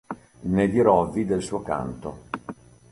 Nè dirovvi del suo canto.